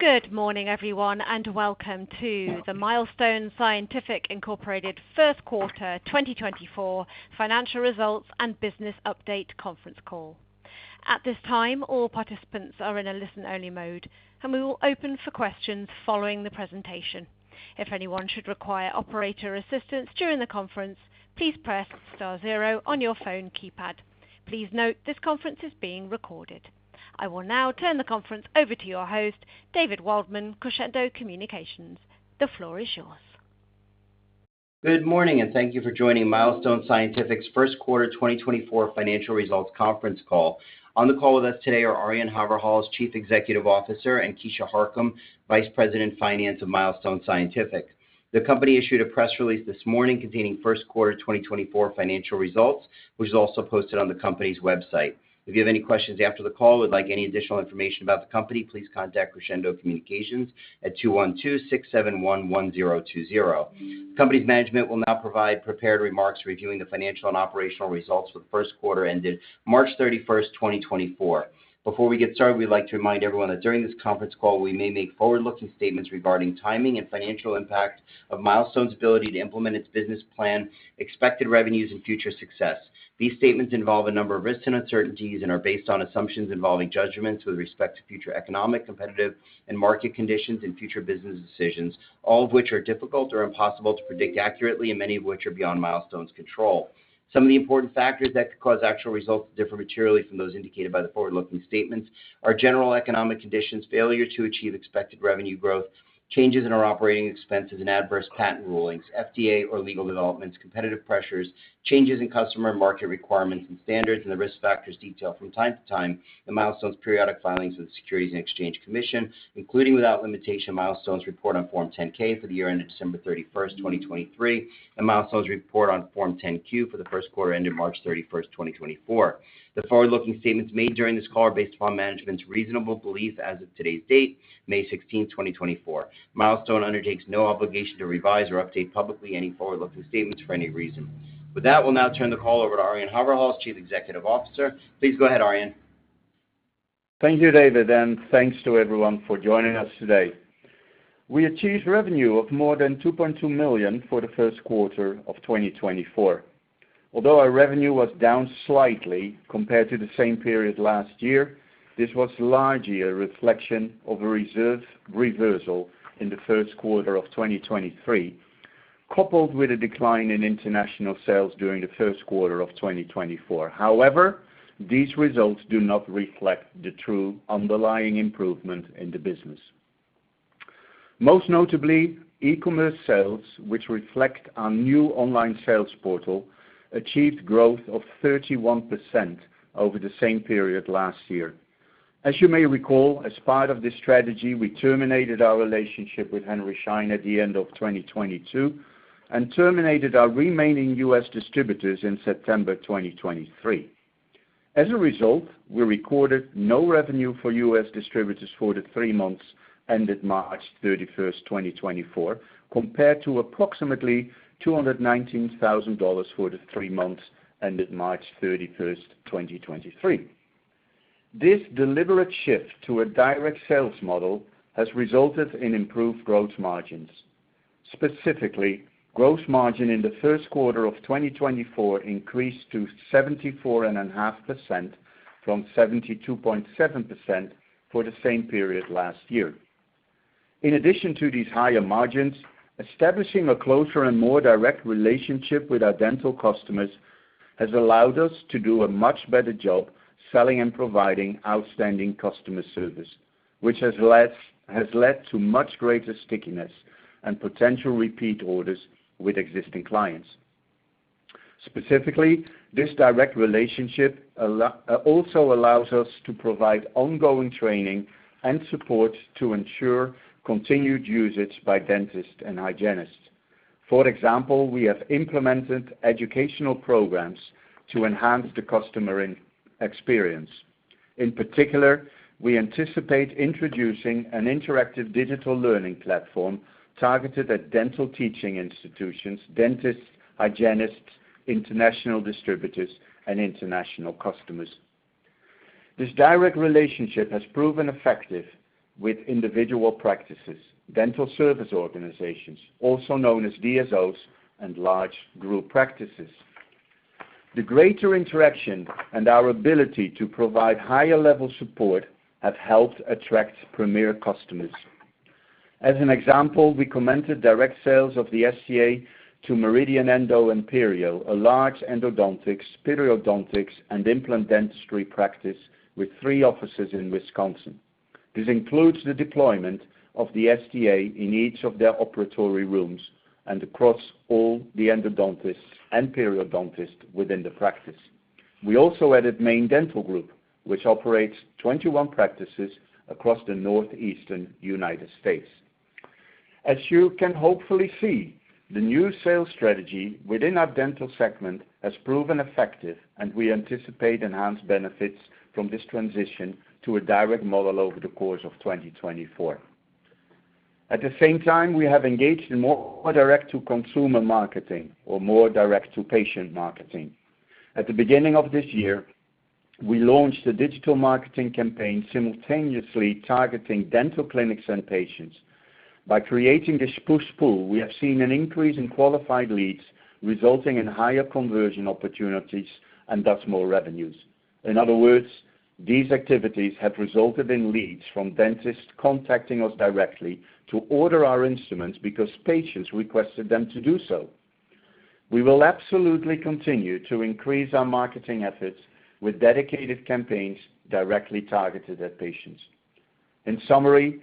Good morning, everyone, and welcome to the Milestone Scientific Incorporated First Quarter 2024 Financial Results and Business Update Conference Call. At this time, all participants are in a listen-only mode, and we will open for questions following the presentation. If anyone should require operator assistance during the conference, please press star zero on your phone keypad. Please note, this conference is being recorded. I will now turn the conference over to your host, David Waldman, Crescendo Communications. The floor is yours. Good morning, and thank you for joining Milestone Scientific's First Quarter 2024 Financial Results conference call. On the call with us today are Arjan Haverhals, Chief Executive Officer, and Keisha Harcum, Vice President, Finance of Milestone Scientific. The company issued a press release this morning containing first quarter 2024 financial results, which is also posted on the company's website. If you have any questions after the call or would like any additional information about the company, please contact Crescendo Communications at 212-671-1020. The company's management will now provide prepared remarks reviewing the financial and operational results for the first quarter ended March 31st, 2024. Before we get started, we'd like to remind everyone that during this conference call, we may make forward-looking statements regarding timing and financial impact of Milestone's ability to implement its business plan, expected revenues, and future success. These statements involve a number of risks and uncertainties and are based on assumptions involving judgments with respect to future economic, competitive, and market conditions and future business decisions, all of which are difficult or impossible to predict accurately, and many of which are beyond Milestone's control. Some of the important factors that could cause actual results to differ materially from those indicated by the forward-looking statements are general economic conditions, failure to achieve expected revenue growth, changes in our operating expenses and adverse patent rulings, FDA or legal developments, competitive pressures, changes in customer market requirements and standards, and the risk factors detailed from time to time in Milestone's periodic filings with the Securities and Exchange Commission, including without limitation, Milestone's report on Form 10-K for the year ended December 31, 2023, and Milestone's report on Form 10-Q for the first quarter ended March 31st, 2024. The forward-looking statements made during this call are based upon management's reasonable belief as of today's date, May 16th, 2024. Milestone undertakes no obligation to revise or update publicly any forward-looking statements for any reason. With that, we'll now turn the call over to Arjan Haverhals, Chief Executive Officer. Please go ahead, Arjan. Thank you, David, and thanks to everyone for joining us today. We achieved revenue of more than $2.2 million for the first quarter of 2024. Although our revenue was down slightly compared to the same period last year, this was largely a reflection of a reserve reversal in the first quarter of 2023, coupled with a decline in international sales during the first quarter of 2024. However, these results do not reflect the true underlying improvement in the business. Most notably, e-commerce sales, which reflect our new online sales portal, achieved growth of 31% over the same period last year. As you may recall, as part of this strategy, we terminated our relationship with Henry Schein at the end of 2022 and terminated our remaining U.S. distributors in September 2023. As a result, we recorded no revenue for US distributors for the three months ended March 31st, 2024, compared to approximately $219,000 for the three months ended March 31st, 2023. This deliberate shift to a direct sales model has resulted in improved gross margins. Specifically, gross margin in the first quarter of 2024 increased to 74.5% from 72.7% for the same period last year. In addition to these higher margins, establishing a closer and more direct relationship with our dental customers has allowed us to do a much better job selling and providing outstanding customer service, which has led to much greater stickiness and potential repeat orders with existing clients. Specifically, this direct relationship also allows us to provide ongoing training and support to ensure continued usage by dentists and hygienists. For example, we have implemented educational programs to enhance the customer experience. In particular, we anticipate introducing an interactive digital learning platform targeted at dental teaching institutions, dentists, hygienists, international distributors, and international customers. This direct relationship has proven effective with individual practices, dental service organizations, also known as DSOs, and large group practices. The greater interaction and our ability to provide higher level support have helped attract premier customers. As an example, we completed direct sales of the STA to Meridian Endo and Perio, a large endodontics, periodontics, and implant dentistry practice with three offices in Wisconsin. This includes the deployment of the STA in each of their operatory rooms and across all the endodontists and periodontists within the practice. We also added Main Dental Group, which operates 21 practices across the northeastern United States. As you can hopefully see, the new sales strategy within our dental segment has proven effective, and we anticipate enhanced benefits from this transition to a direct model over the course of 2024. At the same time, we have engaged in more direct-to-consumer marketing or more direct-to-patient marketing. At the beginning of this year, we launched a digital marketing campaign simultaneously targeting dental clinics and patients. By creating this push-pull, we have seen an increase in qualified leads, resulting in higher conversion opportunities and thus more revenues. In other words, these activities have resulted in leads from dentists contacting us directly to order our instruments because patients requested them to do so. We will absolutely continue to increase our marketing efforts with dedicated campaigns directly targeted at patients. In summary,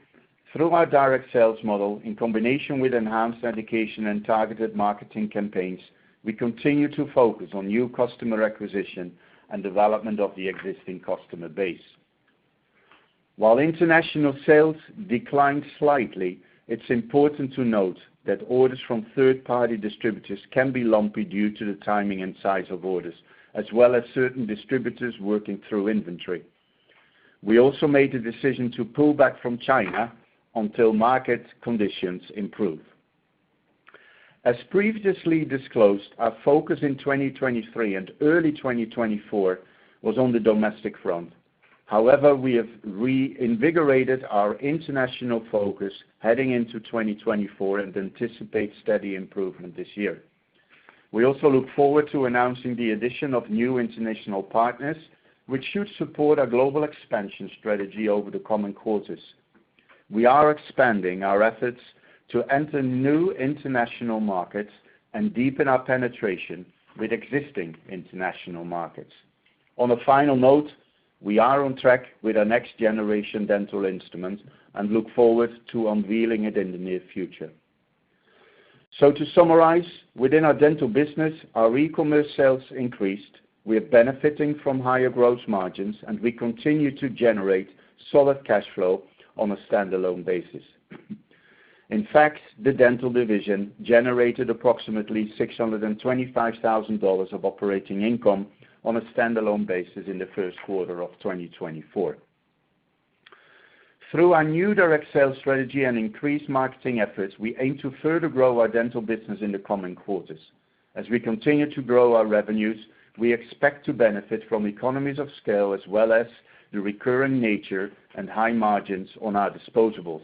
through our direct sales model, in combination with enhanced education and targeted marketing campaigns, we continue to focus on new customer acquisition and development of the existing customer base. While international sales declined slightly, it's important to note that orders from third-party distributors can be lumpy due to the timing and size of orders, as well as certain distributors working through inventory. We also made the decision to pull back from China until market conditions improve. As previously disclosed, our focus in 2023 and early 2024 was on the domestic front. However, we have reinvigorated our international focus heading into 2024 and anticipate steady improvement this year. We also look forward to announcing the addition of new international partners, which should support our global expansion strategy over the coming quarters. We are expanding our efforts to enter new international markets and deepen our penetration with existing international markets. On a final note, we are on track with our next-generation dental instruments and look forward to unveiling it in the near future. So to summarize, within our dental business, our e-commerce sales increased, we are benefiting from higher gross margins, and we continue to generate solid cash flow on a standalone basis. In fact, the dental division generated approximately $625,000 of operating income on a standalone basis in the first quarter of 2024. Through our new direct sales strategy and increased marketing efforts, we aim to further grow our dental business in the coming quarters. As we continue to grow our revenues, we expect to benefit from economies of scale, as well as the recurring nature and high margins on our disposables.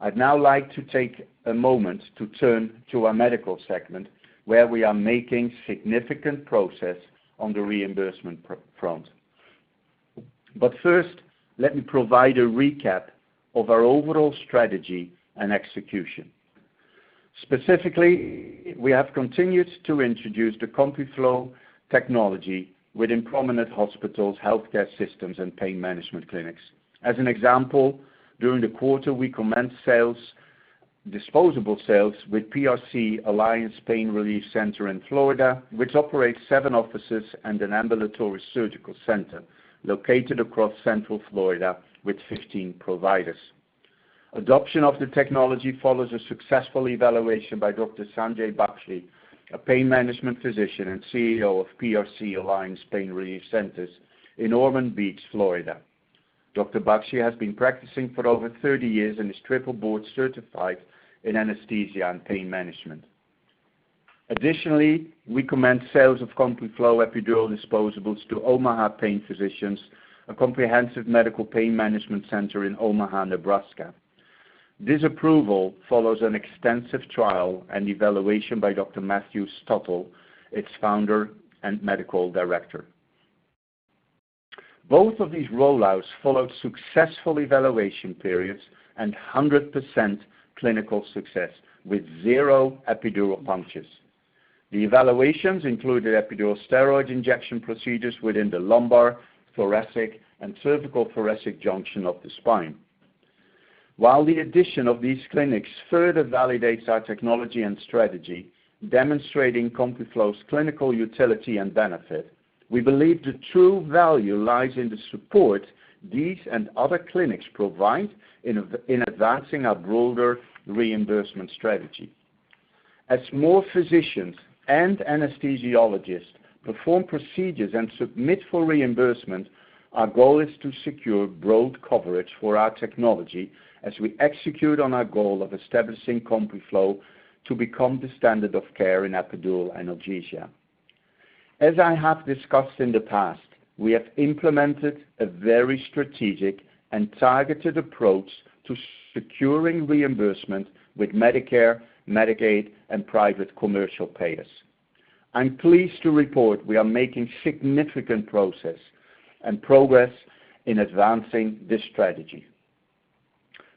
I'd now like to take a moment to turn to our medical segment, where we are making significant progress on the reimbursement front. But first, let me provide a recap of our overall strategy and execution. Specifically, we have continued to introduce the CompuFlo technology within prominent hospitals, healthcare systems, and pain management clinics. As an example, during the quarter, we commenced sales, disposable sales with PRC Alliance Pain Relief Centers in Florida, which operates seven offices and an ambulatory surgical center located across central Florida with 15 providers. Adoption of the technology follows a successful evaluation by Dr. Sanjay Bakshi, a pain management physician and CEO of PRC Alliance Pain Relief Centers in Ormond Beach, Florida. Dr. Bakshi has been practicing for over 30 years and is triple board certified in anesthesia and pain management. Additionally, we commenced sales of CompuFlo epidural disposables to Omaha Pain Physicians, a comprehensive medical pain management center in Omaha, Nebraska. This approval follows an extensive trial and evaluation by Dr. Matthew Stottle, its founder and medical director. Both of these rollouts followed successful evaluation periods and 100% clinical success, with zero epidural punctures. The evaluations included epidural steroid injection procedures within the lumbar, thoracic, and cervical thoracic junction of the spine. While the addition of these clinics further validates our technology and strategy, demonstrating CompuFlo's clinical utility and benefit, we believe the true value lies in the support these and other clinics provide in in advancing our broader reimbursement strategy. As more physicians and anesthesiologists perform procedures and submit for reimbursement, our goal is to secure broad coverage for our technology as we execute on our goal of establishing CompuFlo to become the standard of care in epidural analgesia. As I have discussed in the past, we have implemented a very strategic and targeted approach to securing reimbursement with Medicare, Medicaid, and private commercial payers. I'm pleased to report we are making significant progress and progress in advancing this strategy.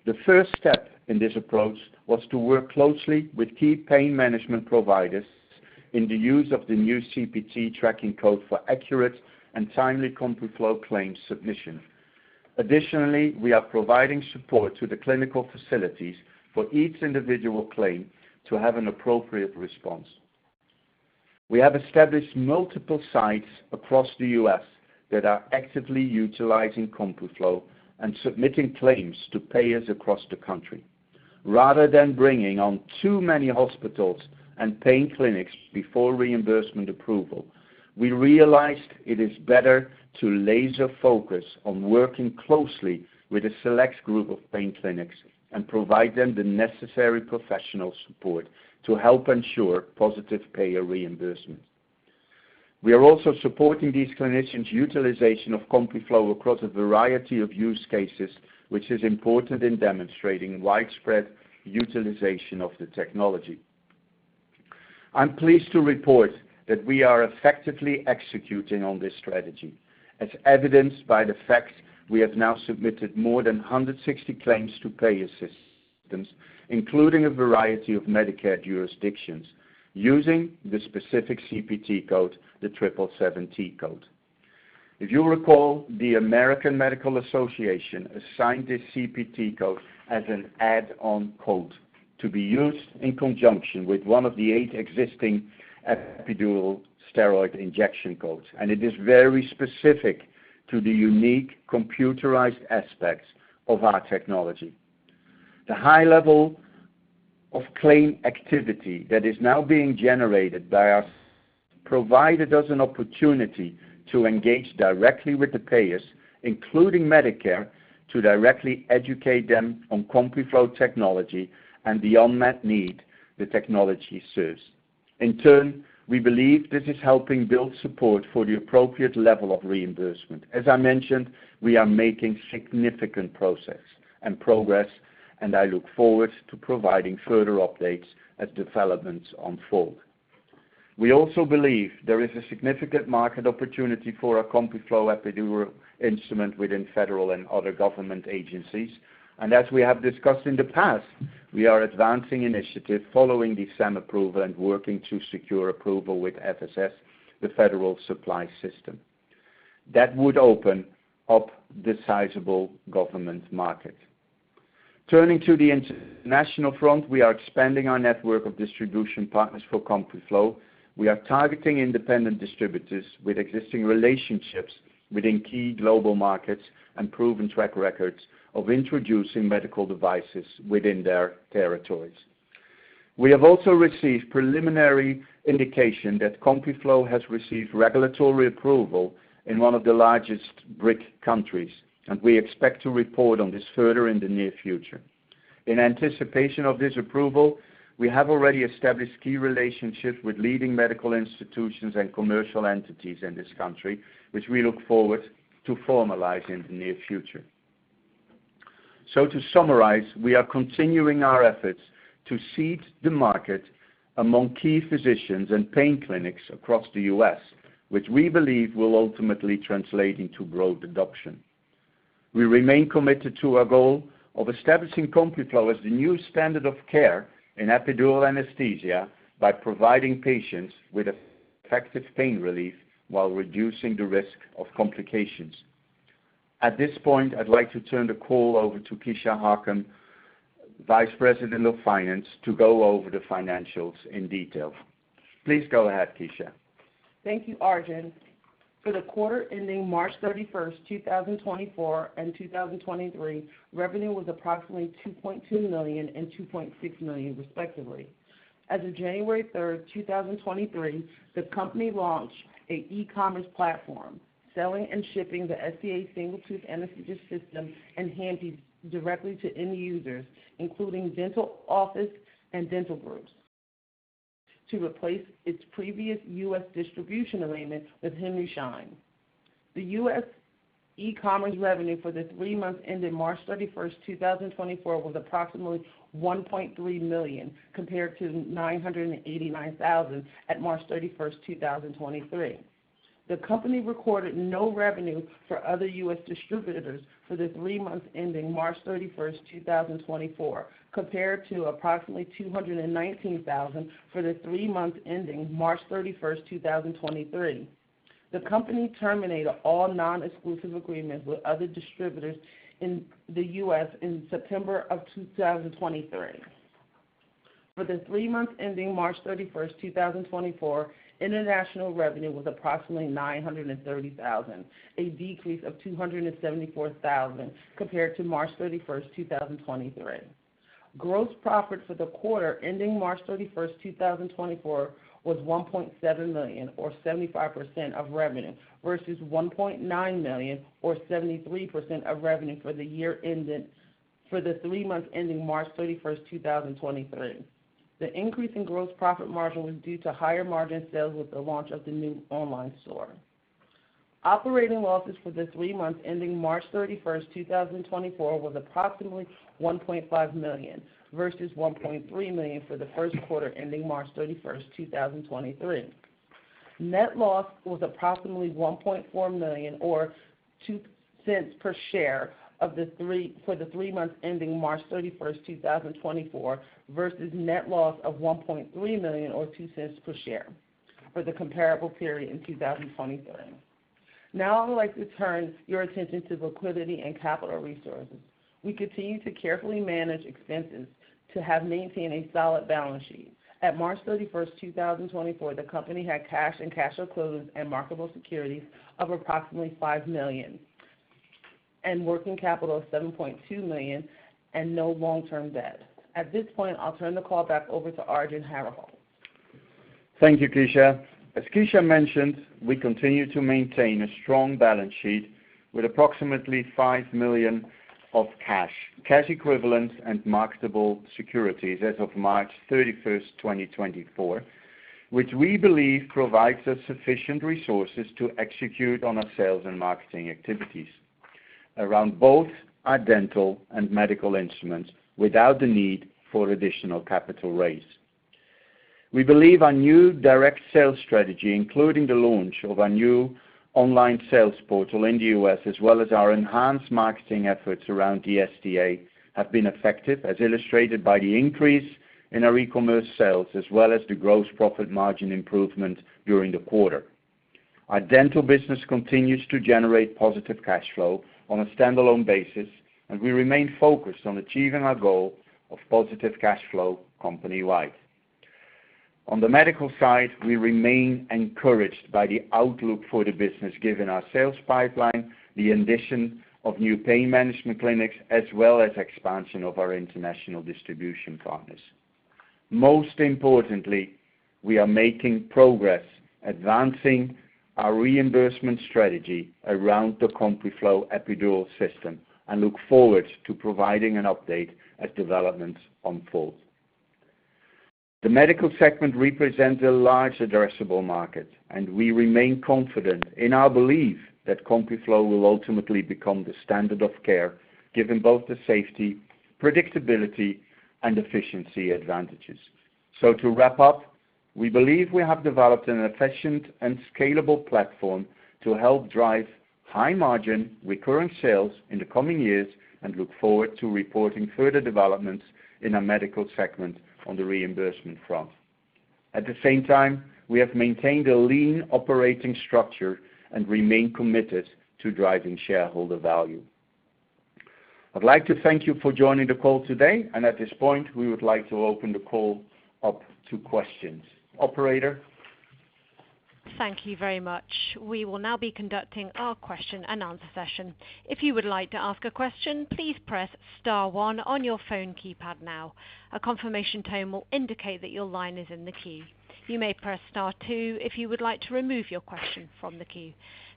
The first step in this approach was to work closely with key pain management providers in the use of the new CPT tracking code for accurate and timely CompuFlo claim submission. Additionally, we are providing support to the clinical facilities for each individual claim to have an appropriate response. We have established multiple sites across the U.S. that are actively utilizing CompuFlo and submitting claims to payers across the country. Rather than bringing on too many hospitals and pain clinics before reimbursement approval, we realized it is better to laser focus on working closely with a select group of pain clinics and provide them the necessary professional support to help ensure positive payer reimbursement. We are also supporting these clinicians' utilization of CompuFlo across a variety of use cases, which is important in demonstrating widespread utilization of the technology. I'm pleased to report that we are effectively executing on this strategy, as evidenced by the fact we have now submitted more than 160 claims to payer systems, including a variety of Medicare jurisdictions, using the specific CPT code, the 0777T code. If you recall, the American Medical Association assigned this CPT code as an add-on code to be used in conjunction with one of the eight existing epidural steroid injection codes, and it is very specific to the unique computerized aspects of our technology. The high level of claim activity that is now being generated by us, provided us an opportunity to engage directly with the payers, including Medicare, to directly educate them on CompuFlo technology and the unmet need the technology serves. In turn, we believe this is helping build support for the appropriate level of reimbursement. As I mentioned, we are making significant progress, and progress, and I look forward to providing further updates as developments unfold. We also believe there is a significant market opportunity for our CompuFlo epidural instrument within federal and other government agencies, and as we have discussed in the past, we are advancing initiative following the SAM approval and working to secure approval with FSS, the Federal Supply System. That would open up the sizable government market. Turning to the international front, we are expanding our network of distribution partners for CompuFlo. We are targeting independent distributors with existing relationships within key global markets and proven track records of introducing medical devices within their territories. We have also received preliminary indication that CompuFlo has received regulatory approval in one of the largest BRIC countries, and we expect to report on this further in the near future. In anticipation of this approval, we have already established key relationships with leading medical institutions and commercial entities in this country, which we look forward to formalizing in the near future. So to summarize, we are continuing our efforts to seed the market among key physicians and pain clinics across the US, which we believe will ultimately translate into broad adoption. We remain committed to our goal of establishing CompuFlo as the new standard of care in epidural anesthesia by providing patients with effective pain relief while reducing the risk of complications. At this point, I'd like to turn the call over to Keisha Harcum, Vice President of Finance, to go over the financials in detail. Please go ahead, Keisha. Thank you, Arjan. For the quarter ending March 31st, 2024 and 2023, revenue was approximately $2.2 million and $2.6 million, respectively. As of January 3rd, 2023, the company launched an e-commerce platform, selling and shipping the STA Single Tooth Anesthesia System and The Wand directly to end users, including dental offices and dental groups, to replace its previous U.S. distribution agreement with Henry Schein. The U.S. e-commerce revenue for the three months ending March 31st, 2024, was approximately $1.3 million, compared to $989,000 at March 31st, 2023. The company recorded no revenue for other U.S. distributors for the three months ending March 31st, 2024, compared to approximately $219,000 for the three months ending March 31st, 2023. The company terminated all non-exclusive agreements with other distributors in the US in September 2023. For the three months ending March 31st, 2024, international revenue was approximately $930 thousand, a decrease of $274 thousand compared to March 31st, 2023. Gross profit for the quarter ending March 31st, 2024, was $1.7 million, or 75% of revenue, versus $1.9 million, or 73% of revenue for the three months ending March 31st, 2023. The increase in gross profit margin was due to higher margin sales with the launch of the new online store. Operating losses for the three months ending March 31st, 2024, was approximately $1.5 million, versus $1.3 million for the first quarter ending March 31st, 2023. Net loss was approximately $1.4 million, or $0.02 per share for the three months ending March 31st, 2024, versus net loss of $1.3 million or $0.02 per share for the comparable period in 2023. Now, I would like to turn your attention to liquidity and capital resources. We continue to carefully manage expenses to have maintained a solid balance sheet. At March 31st, 2024, the company had cash and cash equivalents and marketable securities of approximately $5 million and working capital of $7.2 million and no long-term debt. At this point, I'll turn the call back over to Arjan Haverhals. Thank you, Keisha. As Keisha mentioned, we continue to maintain a strong balance sheet with approximately $5 million of cash, cash equivalents and marketable securities as of March 31st, 2024, which we believe provides us sufficient resources to execute on our sales and marketing activities around both our dental and medical instruments, without the need for additional capital raise. We believe our new direct sales strategy, including the launch of our new online sales portal in the US, as well as our enhanced marketing efforts around the STA, have been effective, as illustrated by the increase in our e-commerce sales, as well as the gross profit margin improvement during the quarter. Our dental business continues to generate positive cash flow on a standalone basis, and we remain focused on achieving our goal of positive cash flow company-wide. On the medical side, we remain encouraged by the outlook for the business, given our sales pipeline, the addition of new pain management clinics, as well as expansion of our international distribution partners. Most importantly, we are making progress advancing our reimbursement strategy around the CompuFlo epidural system, and look forward to providing an update as developments unfold. The medical segment represents a large addressable market, and we remain confident in our belief that CompuFlo will ultimately become the standard of care, given both the safety, predictability, and efficiency advantages. So to wrap up, we believe we have developed an efficient and scalable platform to help drive high margin, recurring sales in the coming years and look forward to reporting further developments in our medical segment on the reimbursement front. At the same time, we have maintained a lean operating structure and remain committed to driving shareholder value. I'd like to thank you for joining the call today, and at this point, we would like to open the call up to questions. Operator? Thank you very much. We will now be conducting our question-and-answer session. If you would like to ask a question, please press star one on your phone keypad now. A confirmation tone will indicate that your line is in the queue. You may press star two if you would like to remove your question from the queue.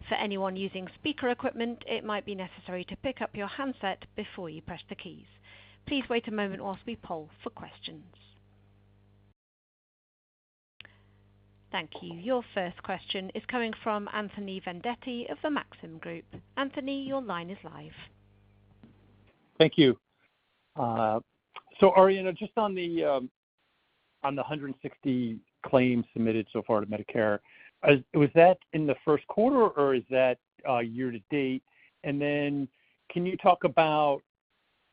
For anyone using speaker equipment, it might be necessary to pick up your handset before you press the keys. Please wait a moment while we poll for questions. Thank you. Your first question is coming from Anthony Vendetti of the Maxim Group. Anthony, your line is live. Thank you. So Arjan, just on the, on the 160 claims submitted so far to Medicare, was that in the first quarter, or is that, year-to-date? And then can you talk about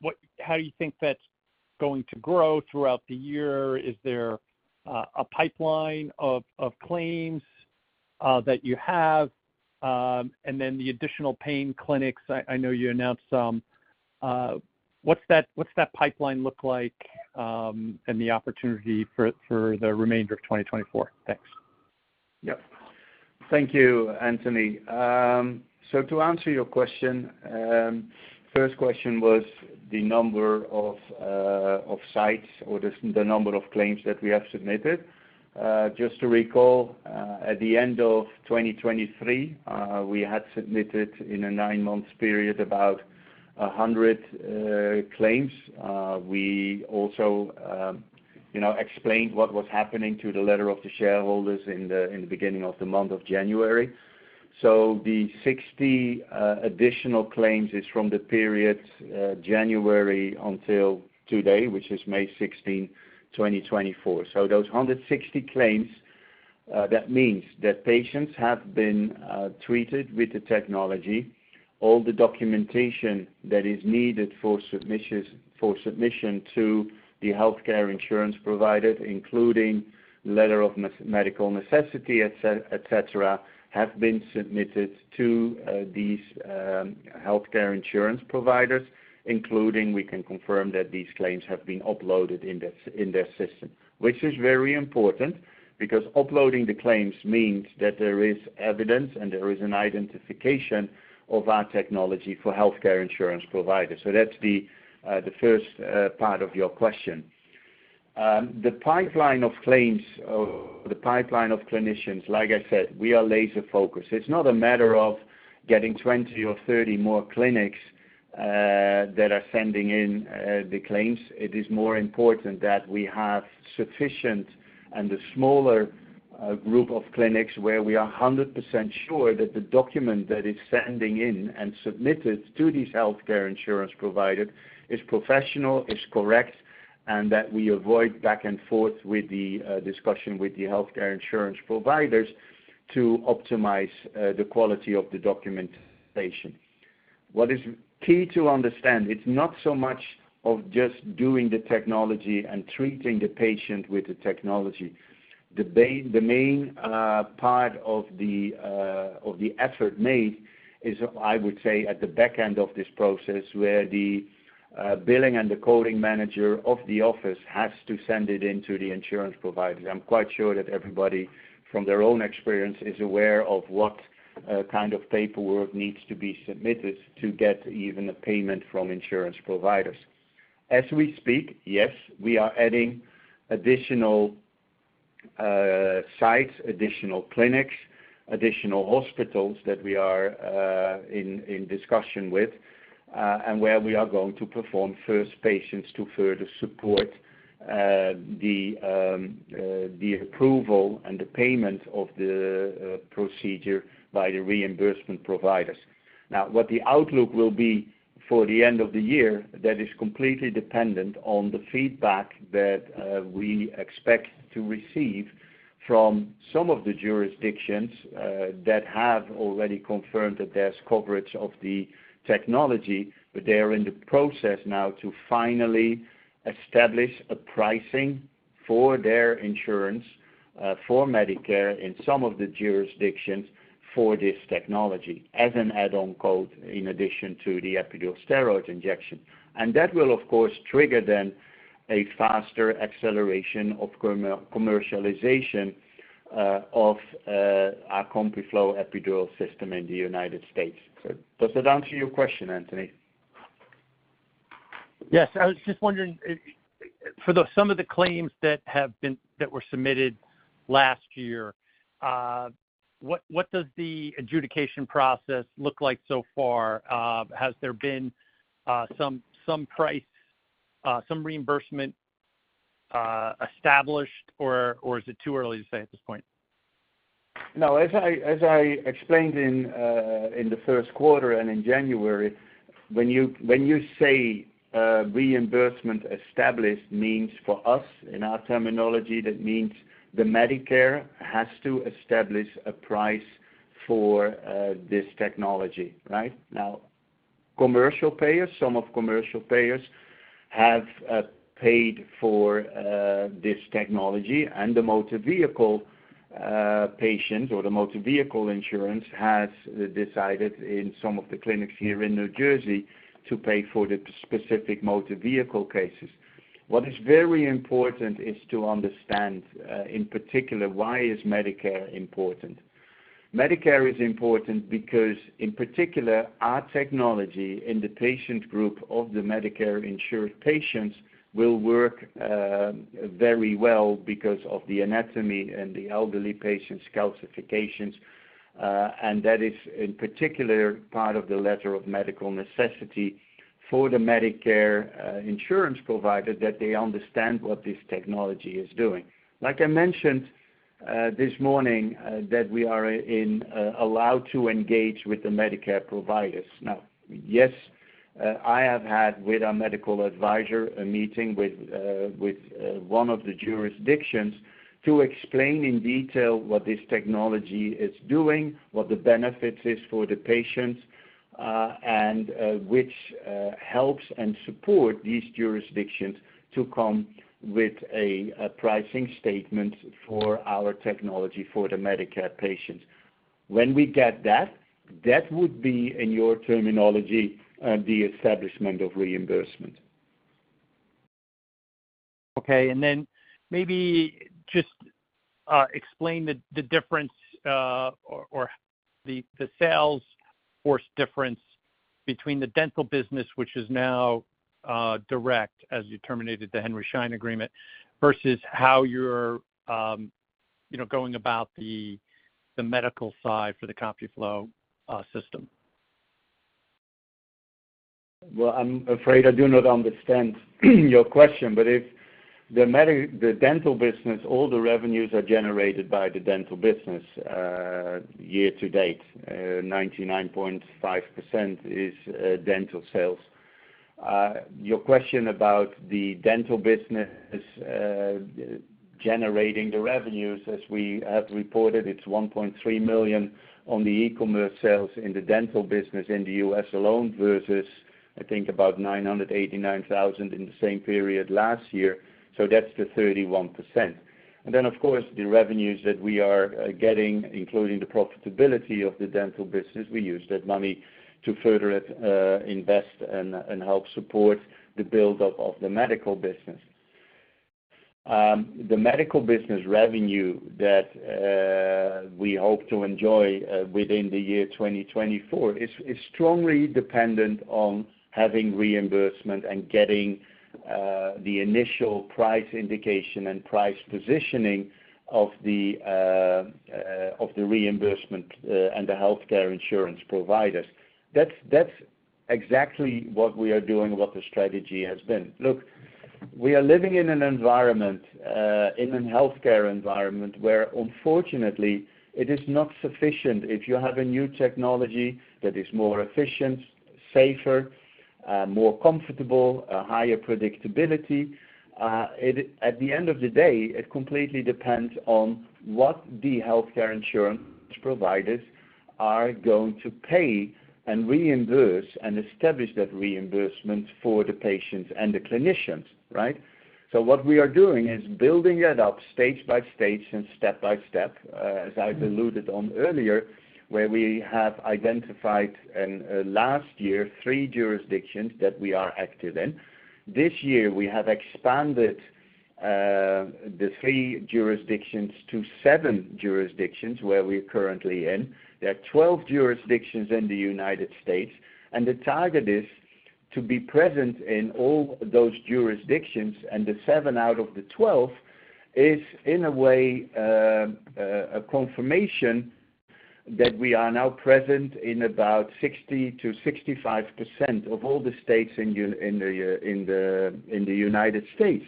what how you think that's going to grow throughout the year? Is there, a pipeline of, of claims, that you have? And then the additional pain clinics, I, I know you announced some, what's that, what's that pipeline look like, and the opportunity for, for the remainder of 2024? Thanks. Yep. Thank you, Anthony. So to answer your question, first question was the number of sites or the number of claims that we have submitted. Just to recall, at the end of 2023, we had submitted, in a nine-month period, about 100 claims. We also, you know, explained what was happening to the letter of the shareholders in the beginning of the month of January. So the 60 additional claims is from the period January until today, which is May 16, 2024. So those 160 claims, that means that patients have been treated with the technology. All the documentation that is needed for submissions, for submission to the healthcare insurance provider, including letter of medical necessity, et cetera, have been submitted to these healthcare insurance providers, including, we can confirm, that these claims have been uploaded in their system. Which is very important, because uploading the claims means that there is evidence and there is an identification of our technology for healthcare insurance providers. So that's the first part of your question. The pipeline of claims or the pipeline of clinicians, like I said, we are laser-focused. It's not a matter of getting 20 or 30 more clinics that are sending in the claims. It is more important that we have sufficient and a smaller group of clinics where we are 100% sure that the document that is sending in and submitted to these healthcare insurance provider is professional, is correct, and that we avoid back and forth with the discussion with the healthcare insurance providers to optimize the quality of the documentation. What is key to understand, it's not so much of just doing the technology and treating the patient with the technology. The main part of the effort made is, I would say, at the back end of this process, where the billing and the coding manager of the office has to send it in to the insurance providers. I'm quite sure that everybody, from their own experience, is aware of what kind of paperwork needs to be submitted to get even a payment from insurance providers. As we speak, yes, we are adding additional sites, additional clinics, additional hospitals that we are in discussion with, and where we are going to perform first patients to further support the approval and the payment of the procedure by the reimbursement providers. Now, what the outlook will be for the end of the year, that is completely dependent on the feedback that we expect to receive from some of the jurisdictions that have already confirmed that there's coverage of the technology, but they are in the process now to finally establish a pricing for their insurance for Medicare in some of the jurisdictions for this technology, as an add-on code, in addition to the epidural steroid injection. And that will, of course, trigger then a faster acceleration of commercialization of our CompuFlo epidural system in the United States. So does that answer your question, Anthony? Yes. I was just wondering, for some of the claims that were submitted last year, what does the adjudication process look like so far? Has there been some price, some reimbursement established, or is it too early to say at this point? No, as I, as I explained in the first quarter and in January, when you, when you say reimbursement established, means for us, in our terminology, that means the Medicare has to establish a price for this technology, right? Now, commercial payers, some of commercial payers have paid for this technology, and the motor vehicle patient, or the motor vehicle insurance, has decided in some of the clinics here in New Jersey to pay for the specific motor vehicle cases. What is very important is to understand, in particular, why is Medicare important. Medicare is important because, in particular, our technology in the patient group of the Medicare-insured patients will work very well because of the anatomy and the elderly patients' calcifications. And that is, in particular, part of the letter of medical necessity for the Medicare insurance provider, that they understand what this technology is doing. Like I mentioned this morning, that we are allowed to engage with the Medicare providers. Now, yes, I have had, with our medical advisor, a meeting with one of the jurisdictions to explain in detail what this technology is doing, what the benefits is for the patients, and which helps and support these jurisdictions to come with a pricing statement for our technology for the Medicare patients. When we get that, that would be, in your terminology, the establishment of reimbursement. Okay, and then maybe just explain the difference or the sales force difference between the dental business, which is now direct, as you terminated the Henry Schein agreement, versus how you're, you know, going about the medical side for the CompuFlo system. Well, I'm afraid I do not understand your question, but if the dental business, all the revenues are generated by the dental business, year to date, 99.5% is dental sales. Your question about the dental business generating the revenues, as we have reported, it's $1.3 million on the e-commerce sales in the dental business in the U.S. alone, versus, I think, about $989,000 in the same period last year, so that's the 31%. And then, of course, the revenues that we are getting, including the profitability of the dental business, we use that money to further invest and help support the build-up of the medical business. The medical business revenue that we hope to enjoy within the year 2024 is strongly dependent on having reimbursement and getting the initial price indication and price positioning of the reimbursement and the healthcare insurance providers. That's exactly what we are doing, what the strategy has been. Look, we are living in an environment, in a healthcare environment, where unfortunately, it is not sufficient if you have a new technology that is more efficient, safer, more comfortable, a higher predictability. At the end of the day, it completely depends on what the healthcare insurance providers are going to pay and reimburse and establish that reimbursement for the patients and the clinicians, right? So what we are doing is building it up stage by stage and step by step, as I've alluded on earlier, where we have identified, last year, three jurisdictions that we are active in. This year, we have expanded the three jurisdictions to seven jurisdictions where we're currently in. There are 12 jurisdictions in the United States, and the target is to be present in all those jurisdictions, and the seven out of the 12, is in a way, a confirmation that we are now present in about 60%-65% of all the states in the United States.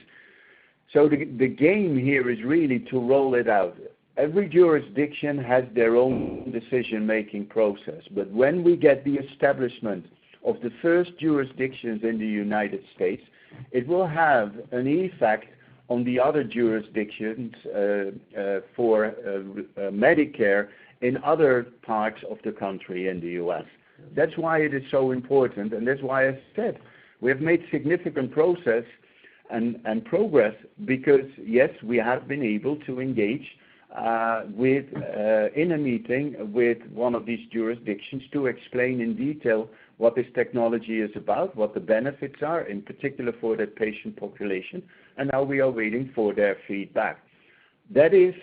So the game here is really to roll it out. Every jurisdiction has their own decision-making process, but when we get the establishment of the first jurisdictions in the United States, it will have an effect on the other jurisdictions for Medicare in other parts of the country in the US. That's why it is so important, and that's why I said, we have made significant progress and progress, because, yes, we have been able to engage in a meeting with one of these jurisdictions to explain in detail what this technology is about, what the benefits are, in particular for that patient population, and now we are waiting for their feedback. That is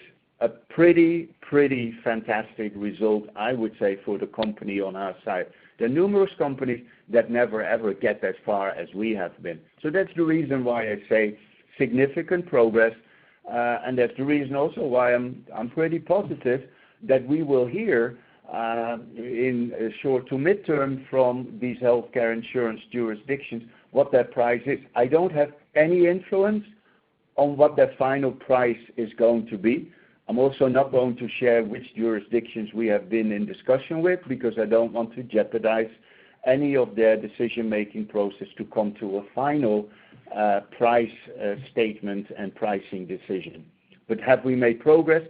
a pretty, pretty fantastic result, I would say, for the company on our side. There are numerous companies that never, ever get as far as we have been. So that's the reason why I say significant progress, and that's the reason also why I'm pretty positive that we will hear in short to midterm from these healthcare insurance jurisdictions what that price is. I don't have any influence on what that final price is going to be. I'm also not going to share which jurisdictions we have been in discussion with, because I don't want to jeopardize any of their decision-making process to come to a final price statement and pricing decision. But have we made progress?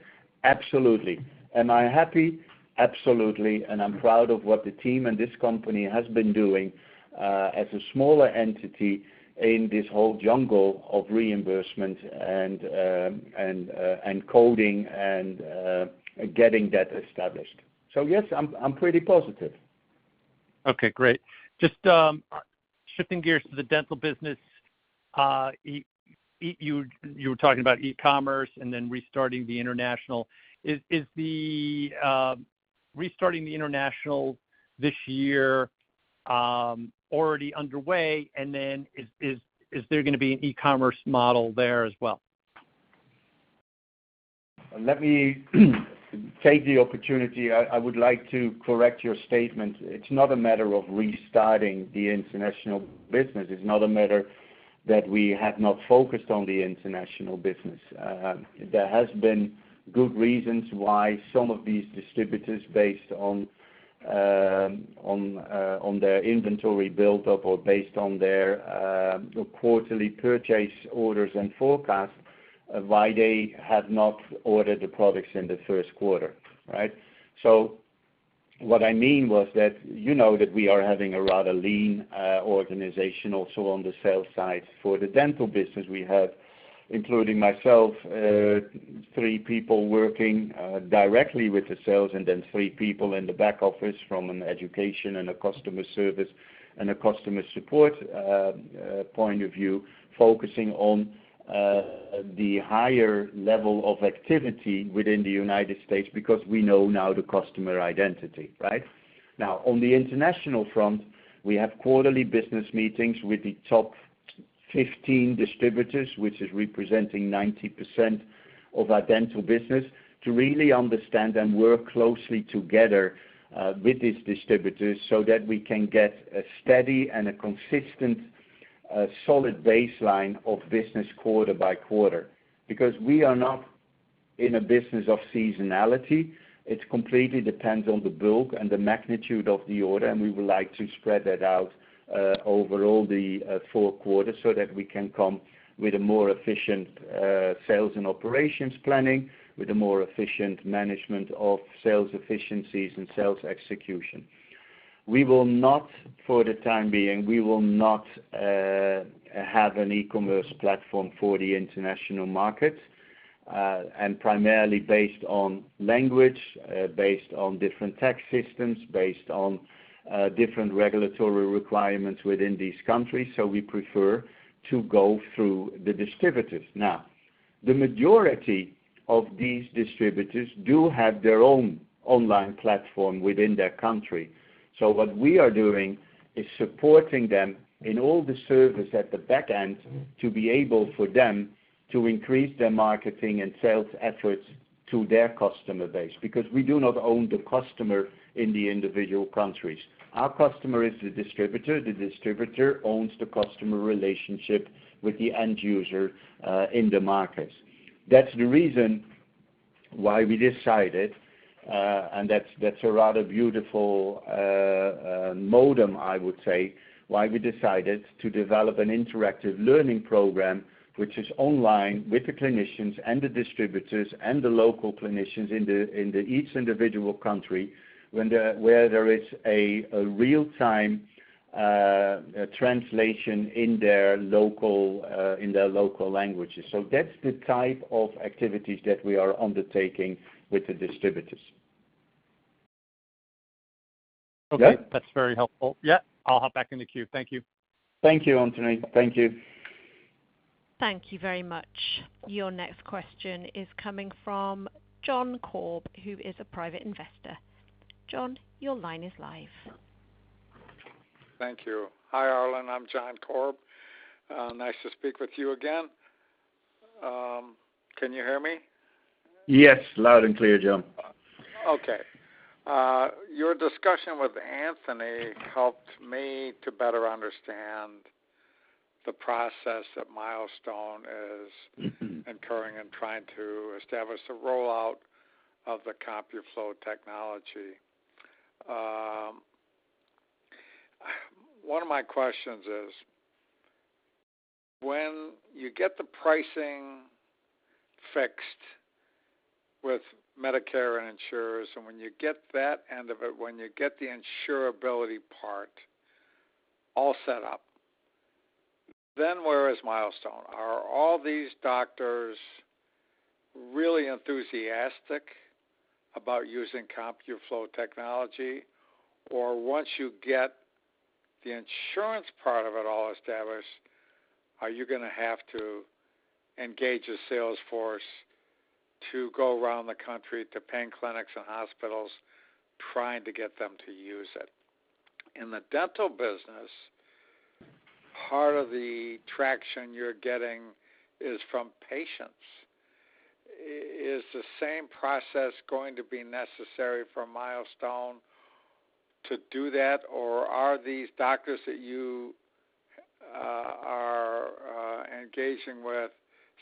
Absolutely. Am I happy? Absolutely, and I'm proud of what the team and this company has been doing as a smaller entity in this whole jungle of reimbursement and coding and getting that established. So, yes, I'm pretty positive. Okay, great. Just shifting gears to the dental business, you were talking about e-commerce and then restarting the international. Is the restarting the international this year already underway? And then is there going to be an e-commerce model there as well? Let me take the opportunity. I, I would like to correct your statement. It's not a matter of restarting the international business. It's not a matter that we have not focused on the international business. There has been good reasons why some of these distributors, based on their inventory buildup or based on their quarterly purchase orders and forecasts, why they have not ordered the products in the first quarter, right? So what I mean was that, you know that we are having a rather lean organization also on the sales side. For the dental business, we have, including myself, three people working directly with the sales, and then three people in the back office from an education and a customer service and a customer support point of view, focusing on the higher level of activity within the United States, because we know now the customer identity, right? Now, on the international front, we have quarterly business meetings with the top 15 distributors, which is representing 90% of our dental business, to really understand and work closely together with these distributors so that we can get a steady and a consistent solid baseline of business quarter-by-quarter. Because we are not in a business of seasonality, it completely depends on the bulk and the magnitude of the order, and we would like to spread that out over all the four quarters so that we can come with a more efficient sales and operations planning, with a more efficient management of sales efficiencies and sales execution. We will not, for the time being, we will not have an e-commerce platform for the international market and primarily based on language, based on different tax systems, based on different regulatory requirements within these countries, so we prefer to go through the distributors. Now, the majority of these distributors do have their own online platform within their country. So what we are doing is supporting them in all the service at the back end, to be able for them to increase their marketing and sales efforts to their customer base, because we do not own the customer in the individual countries. Our customer is the distributor. The distributor owns the customer relationship with the end user, in the market. That's the reason why we decided, and that's a rather beautiful model, I would say, why we decided to develop an interactive learning program, which is online with the clinicians and the distributors and the local clinicians in each individual country, where there is a real-time translation in their local languages. So that's the type of activities that we are undertaking with the distributors. Okay, that's very helpful. Yeah, I'll hop back in the queue. Thank you. Thank you, Anthony. Thank you. Thank you very much. Your next question is coming from John Korb, who is a private investor. John, your line is live. Thank you. Hi, Arjan. I'm John Korb. Nice to speak with you again. Can you hear me? Yes, loud and clear, John. Okay. Your discussion with Anthony helped me to better understand the process that Milestone is- Mm-hmm incurring and trying to establish the rollout of the CompuFlo technology. One of my questions is: When you get the pricing fixed with Medicare and insurers, and when you get that end of it, when you get the insurability part all set up, then where is Milestone? Are all these doctors really enthusiastic about using CompuFlo technology? Or once you get the insurance part of it all established, are you going to have to engage a sales force to go around the country to pain clinics and hospitals, trying to get them to use it? In the dental business, part of the traction you're getting is from patients. Is the same process going to be necessary for Milestone to do that? Or are these doctors that you are engaging with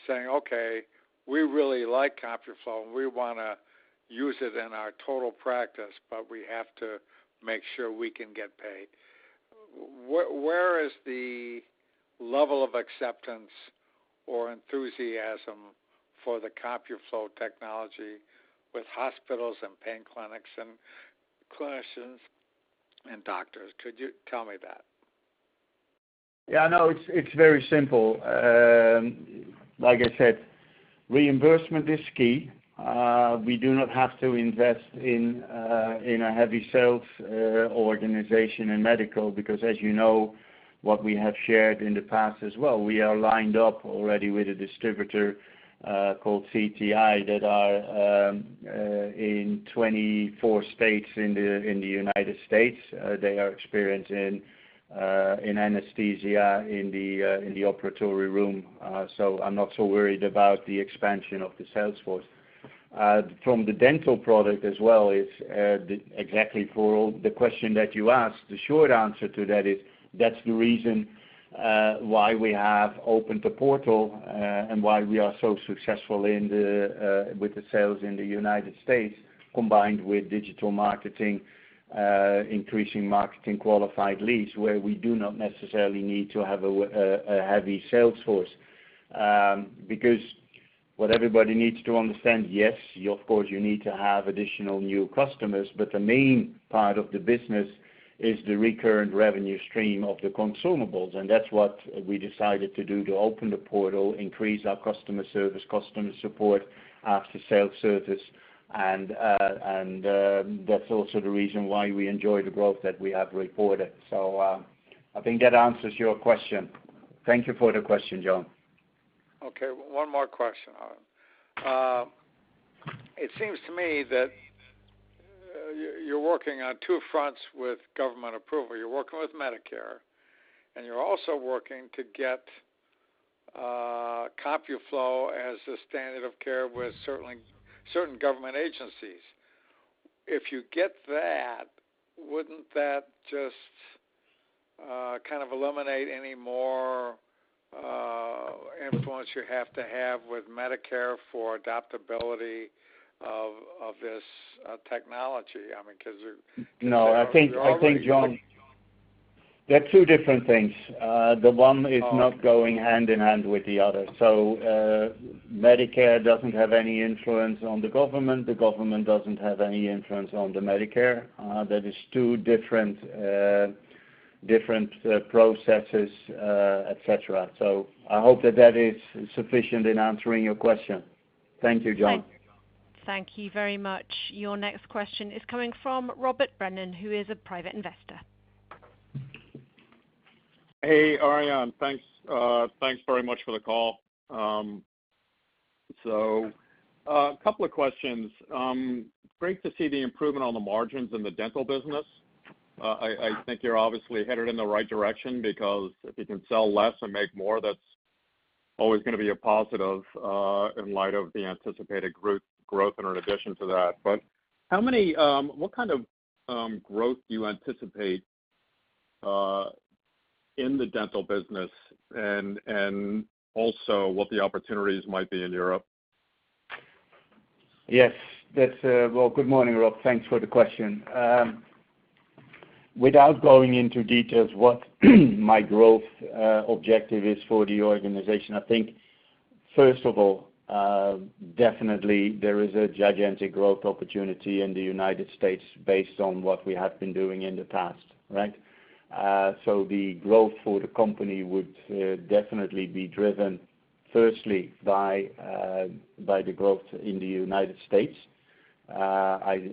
saying, "Okay, we really like CompuFlo, and we want to use it in our total practice, but we have to make sure we can get paid." Where is the level of acceptance or enthusiasm for the CompuFlo technology with hospitals and pain clinics and clinicians and doctors? Could you tell me that? Yeah, no, it's very simple. Like I said, reimbursement is key. We do not have to invest in a heavy sales organization in medical, because as you know, what we have shared in the past as well, we are lined up already with a distributor called CTI that are in 24 states in the United States. They are experienced in anesthesia in the operating room. So I'm not so worried about the expansion of the sales force. From the dental product as well, it's exactly for all the question that you asked, the short answer to that is, that's the reason why we have opened the portal and why we are so successful in the with the sales in the United States, combined with digital marketing increasing marketing qualified leads, where we do not necessarily need to have a heavy sales force. Because what everybody needs to understand, yes, you of course, you need to have additional new customers, but the main part of the business is the recurrent revenue stream of the consumables, and that's what we decided to do, to open the portal, increase our customer service, customer support, after-sales service, and and that's also the reason why we enjoy the growth that we have reported. So, I think that answers your question. Thank you for the question, John. Okay, one more question, Arjan. It seems to me that you're working on two fronts with government approval. You're working with Medicare, and you're also working to get CompuFlo as a standard of care with certain government agencies. If you get that, wouldn't that just kind of eliminate any more influence you have to have with Medicare for adaptability of this technology? I mean, because you're- No, I think, John- You're already working. They're two different things. The one- Oh... is not going hand in hand with the other. So, Medicare doesn't have any influence on the government. The government doesn't have any influence on the Medicare. That is two different processes, et cetera. So I hope that that is sufficient in answering your question. Thank you, John. Thank you very much. Your next question is coming from Robert Brennan, who is a private investor. Hey, Arjan. Thanks, thanks very much for the call. So, a couple of questions. Great to see the improvement on the margins in the dental business. I think you're obviously headed in the right direction because if you can sell less and make more, that's always going to be a positive, in light of the anticipated growth and in addition to that. But how many, what kind of growth do you anticipate in the dental business and also what the opportunities might be in Europe? Yes, that's. Well, good morning, Rob. Thanks for the question. Without going into details, what my growth objective is for the organization, I think, first of all, definitely there is a gigantic growth opportunity in the United States based on what we have been doing in the past, right? So the growth for the company would definitely be driven firstly, by the growth in the United States. I,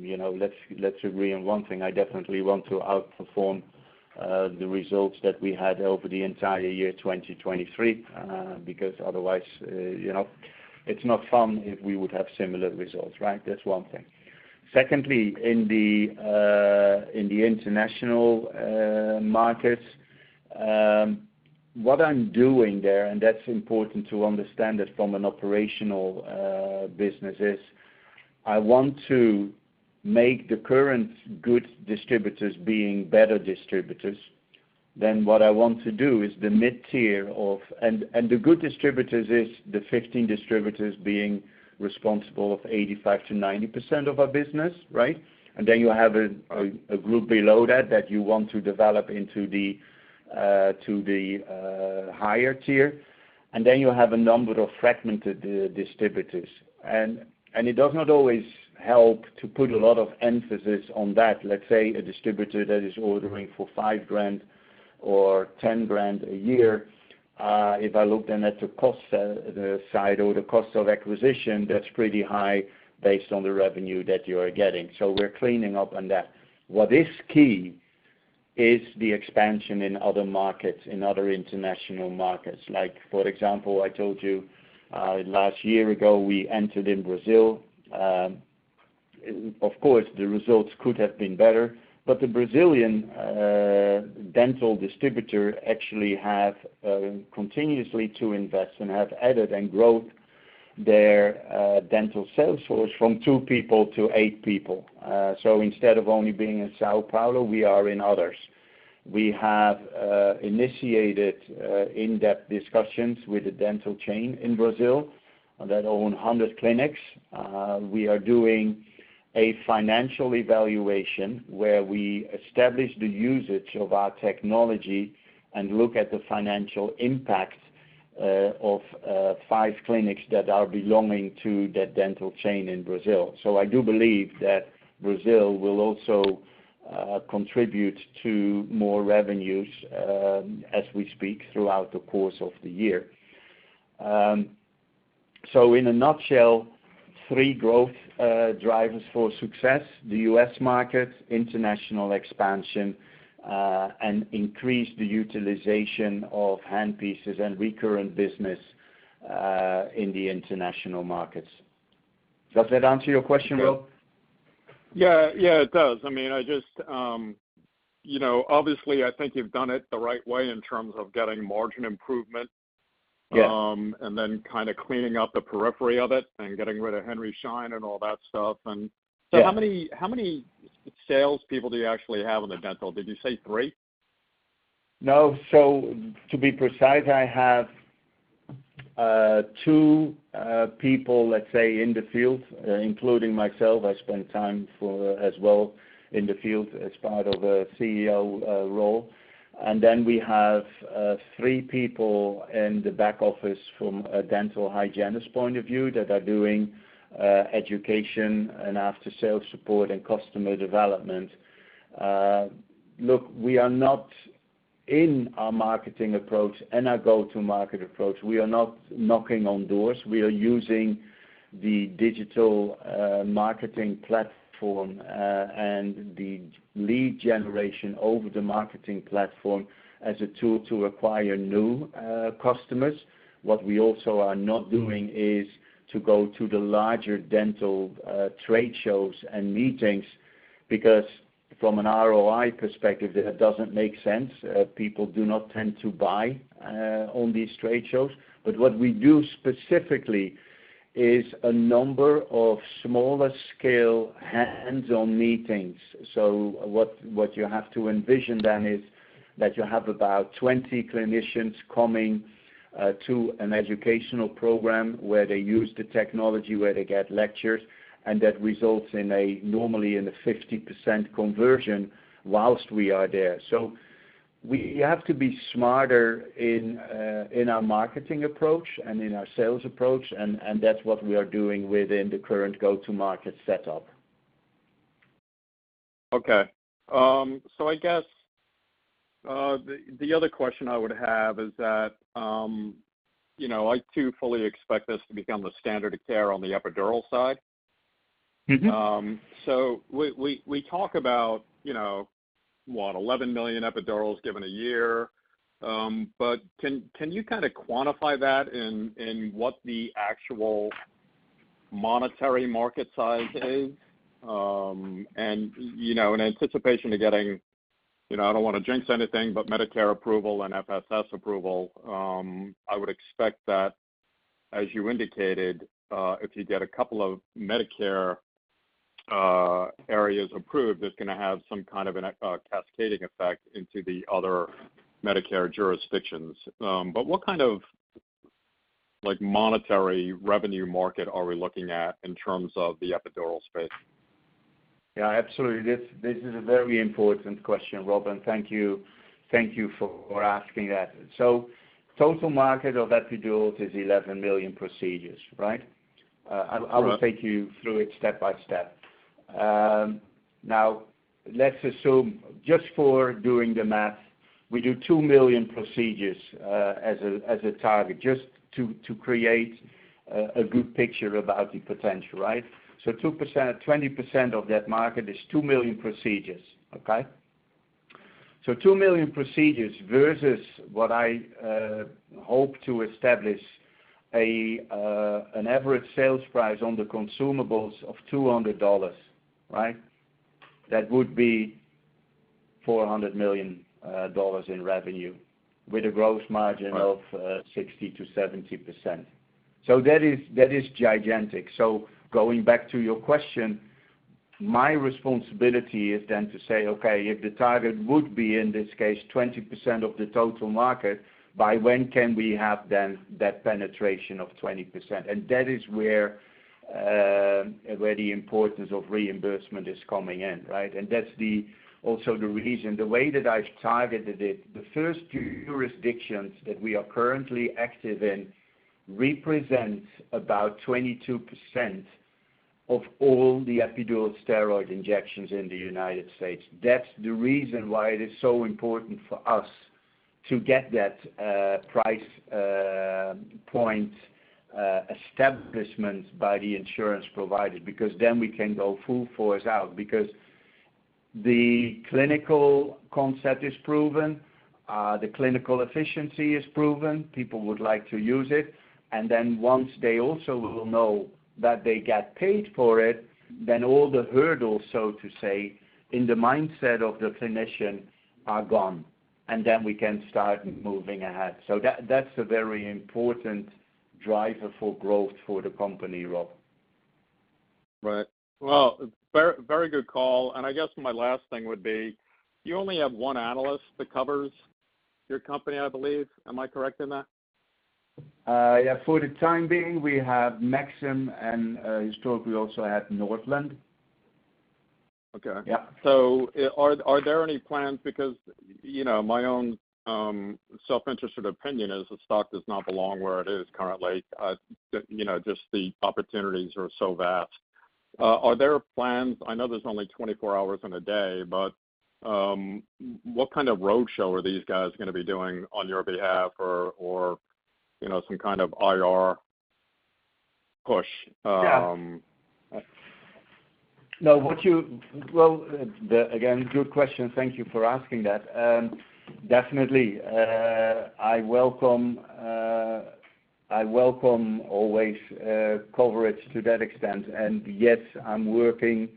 you know, let's, let's agree on one thing. I definitely want to outperform the results that we had over the entire year, 2023, because otherwise, you know, it's not fun if we would have similar results, right? That's one thing. Secondly, in the international markets, what I'm doing there, and that's important to understand it from an operational business, is I want to make the current good distributors being better distributors. Then what I want to do is the mid-tier of- and the good distributors is the 15 distributors being responsible of 85%-90% of our business, right? And then you have a group below that, that you want to develop into the to the higher tier. And then you have a number of fragmented distributors. And it does not always help to put a lot of emphasis on that. Let's say, a distributor that is ordering for $5,000 or $10,000 a year, if I look then at the cost side or the cost of acquisition, that's pretty high based on the revenue that you are getting. So we're cleaning up on that. What is key is the expansion in other markets, in other international markets. Like, for example, I told you last year ago, we entered in Brazil. Of course, the results could have been better, but the Brazilian dental distributor actually have continuously to invest and have added and grown their dental sales force from 2 people to 8 people. So instead of only being in São Paulo, we are in others. We have initiated in-depth discussions with a dental chain in Brazil that own 100 clinics. We are doing a financial evaluation, where we establish the usage of our technology and look at the financial impact of five clinics that are belonging to that dental chain in Brazil. So I do believe that Brazil will also contribute to more revenues as we speak, throughout the course of the year. So in a nutshell, three growth drivers for success: the U.S. market, international expansion, and increase the utilization of handpieces and recurrent business in the international markets. Does that answer your question, Will? Yeah. Yeah, it does. I mean, I just, you know, obviously, I think you've done it the right way in terms of getting margin improvement- Yes. And then kind of cleaning up the periphery of it and getting rid of Henry Schein and all that stuff and- Yeah. So how many, how many salespeople do you actually have on the dental? Did you say three? No. So to be precise, I have two people, let's say, in the field, including myself. I spend time as well in the field as part of a CEO role. And then we have three people in the back office from a dental hygienist point of view, that are doing education and after-sales support and customer development. Look, we are not, in our marketing approach and our go-to-market approach, we are not knocking on doors. We are using the digital marketing platform and the lead generation over the marketing platform as a tool to acquire new customers. What we also are not doing is to go to the larger dental trade shows and meetings, because from an ROI perspective, it doesn't make sense. People do not tend to buy on these trade shows. But what we do specifically is a number of smaller scale hands-on meetings. So what you have to envision then is that you have about 20 clinicians coming to an educational program, where they use the technology, where they get lectures, and that results in a, normally, in a 50% conversion whilst we are there. So we have to be smarter in our marketing approach and in our sales approach, and that's what we are doing within the current go-to-market setup. Okay. So I guess, the other question I would have is that, you know, I, too, fully expect this to become the standard of care on the epidural side. Mm-hmm. So we talk about, you know, what, 11 million epidurals given a year. But can you kind of quantify that in what the actual monetary market size is? And, you know, in anticipation of getting, you know, I don't want to jinx anything, but Medicare approval and FSS approval, I would expect that, as you indicated, if you get a couple of Medicare areas approved, it's gonna have some kind of a cascading effect into the other Medicare jurisdictions. But what kind of, like, monetary revenue market are we looking at in terms of the epidural space? Yeah, absolutely. This is a very important question, Rob, and thank you, thank you for asking that. So total market of epidurals is 11 million procedures, right? I will take you through it step by step. Now, let's assume, just for doing the math, we do 2 million procedures as a target, just to create a good picture about the potential, right? So 2%, 20% of that market is 2 million procedures, okay? So 2 million procedures versus what I hope to establish an average sales price on the consumables of $200, right? That would be $400 million in revenue with a gross margin of 60%-70%. So that is gigantic. So going back to your question, my responsibility is then to say, okay, if the target would be, in this case, 20% of the total market, by when can we have then that penetration of 20%? And that is where, where the importance of reimbursement is coming in, right? And that's the, also the reason. The way that I've targeted it, the first two jurisdictions that we are currently active in, represent about 22% of all the epidural steroid injections in the United States. That's the reason why it is so important for us to get that, price, point, establishment by the insurance provider, because then we can go full force out. Because the clinical concept is proven, the clinical efficiency is proven, people would like to use it, and then once they also will know that they get paid for it, then all the hurdles, so to say, in the mindset of the clinician, are gone, and then we can start moving ahead. So that, that's a very important driver for growth for the company, Rob. Right. Well, very, very good call. I guess my last thing would be: You only have one analyst that covers your company, I believe. Am I correct in that? Yeah, for the time being, we have Maxim, and, historically, also had Northland. Okay. Yeah. So, are there any plans, because, you know, my own self-interested opinion is the stock does not belong where it is currently. You know, just the opportunities are so vast. Are there plans? I know there's only 24 hours in a day, but what kind of roadshow are these guys gonna be doing on your behalf or, you know, some kind of IR push? Yeah. No. Well, again, good question. Thank you for asking that. Definitely, I welcome always coverage to that extent. And yes, I'm working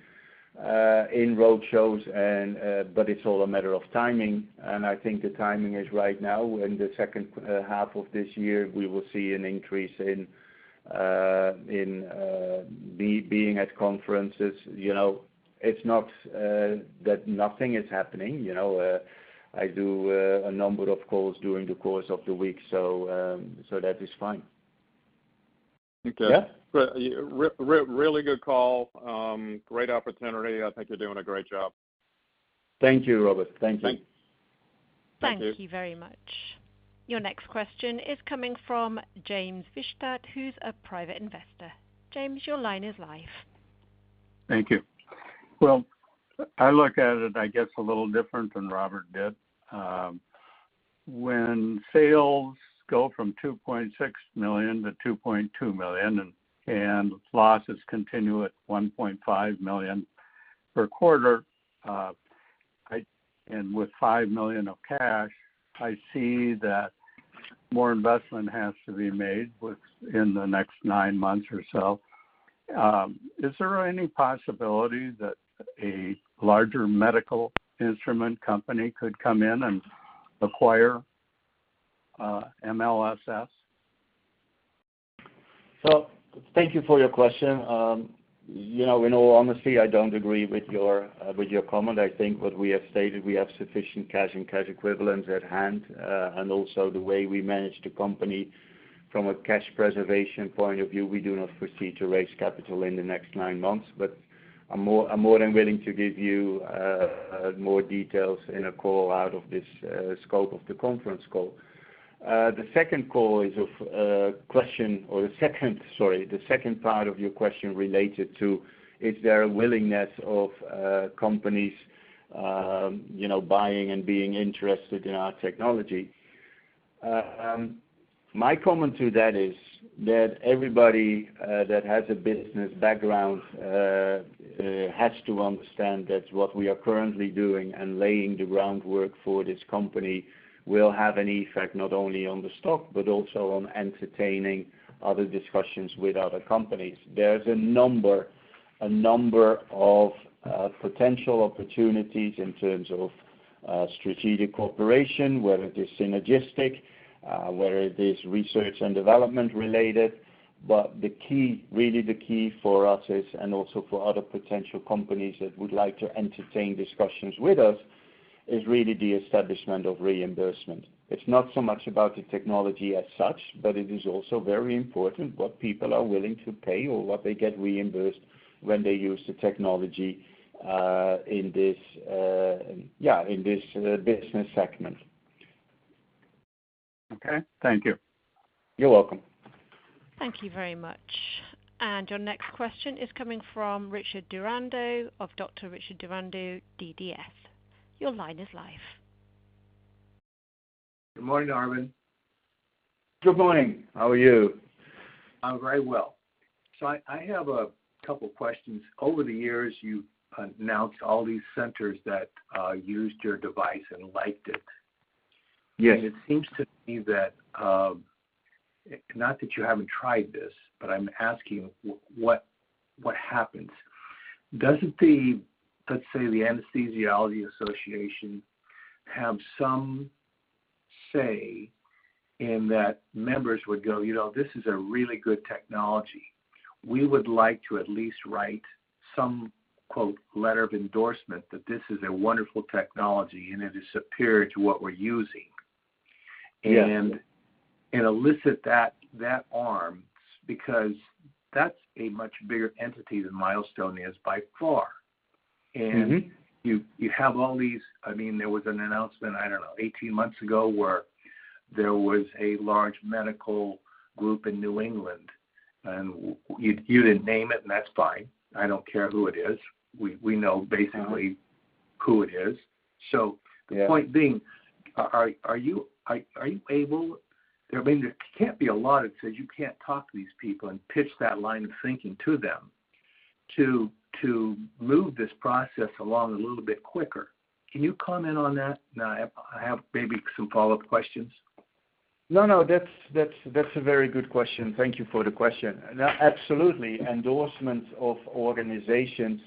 in road shows and, but it's all a matter of timing, and I think the timing is right now. In the second half of this year, we will see an increase in me being at conferences. You know, it's not that nothing is happening. You know, I do a number of calls during the course of the week, so that is fine. Okay. Yeah. Really good call. Great opportunity. I think you're doing a great job. Thank you, Robert. Thank you. Thanks. Thank you. Thank you very much. Your next question is coming from James Fischstadt, who's a private investor. James, your line is live. Thank you. Well, I look at it, I guess, a little different than Robert did. When sales go from $2.6 million-$2.2 million, and losses continue at $1.5 million per quarter, and with $5 million of cash, I see that more investment has to be made within the next nine months or so. Is there any possibility that a larger medical instrument company could come in and acquire MLSS? Thank you for your question. You know, in all honesty, I don't agree with your, with your comment. I think what we have stated, we have sufficient cash and cash equivalents at hand. And also, the way we manage the company from a cash preservation point of view, we do not foresee to raise capital in the next nine months. But I'm more, I'm more than willing to give you, more details in a call out of this, scope of the conference call. Sorry, the second part of your question related to, is there a willingness of, companies, you know, buying and being interested in our technology? My comment to that is, that everybody that has a business background has to understand that what we are currently doing and laying the groundwork for this company will have an effect, not only on the stock, but also on entertaining other discussions with other companies. There's a number of potential opportunities in terms of strategic cooperation, whether it is synergistic, whether it is research and development related. But the key, really the key for us is, and also for other potential companies that would like to entertain discussions with us, is really the establishment of reimbursement. It's not so much about the technology as such, but it is also very important what people are willing to pay or what they get reimbursed when they use the technology in this business segment. Okay, thank you. You're welcome. Thank you very much. And your next question is coming from Richard Durando of Dr. Richard Durando, DDS. Your line is live. Good morning, Arjan. Good morning. How are you? I'm very well. So I have a couple questions. Over the years, you've announced all these centers that used your device and liked it. Yes. It seems to me that, not that you haven't tried this, but I'm asking, what, what happens? Doesn't the, let's say, the Anesthesiology Association, have some say in that members would go, "You know, this is a really good technology? We would like to at least write some, quote, letter of endorsement, that this is a wonderful technology, and it is superior to what we're using. Yes. Elicit that arm, because that's a much bigger entity than Milestone is by far. Mm-hmm. You have all these. I mean, there was an announcement, I don't know, 18 months ago, where there was a large medical group in New England, and you didn't name it, and that's fine. I don't care who it is. We know basically- Uh-huh Who it is. So- Yeah The point being, are you able—I mean, there can't be a law that says you can't talk to these people and pitch that line of thinking to them to move this process along a little bit quicker? Can you comment on that? And I have maybe some follow-up questions. No, no, that's a very good question. Thank you for the question. No, absolutely. Endorsement of organizations